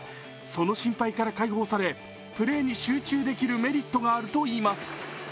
その心配から解放され、プレーに集中できるメリットがあるといいます。